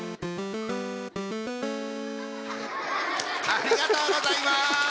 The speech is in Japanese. ありがとうございます。